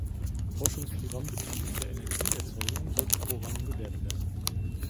Forschungsprogrammen bezüglich der Energieerzeugung sollte Vorrang gewährt werden.